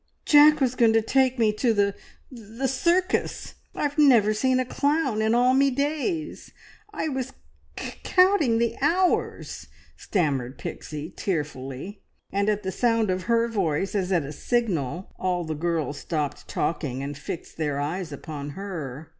"Jack was going to take me to the s s circus! I've never seen a clown in all me days! I was c counting the hours!" stammered Pixie tearfully; and at the sound of her voice, as at a signal, all the girls stopped talking and fixed their eyes upon her.